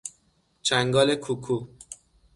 چنگال کوکو